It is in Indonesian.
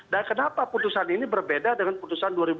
dan kenapa putusan ini berbeda dengan putusan dua ribu delapan